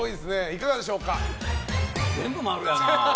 全部○やな。